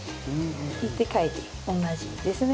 行って帰って同じですね。